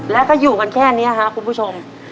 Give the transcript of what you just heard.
แล้วก็อยู่กันแค่นี้ครับคุณผู้ชม